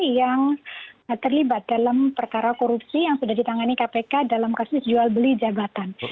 yang terlibat dalam perkara korupsi yang sudah ditangani kpk dalam kasus jual beli jabatan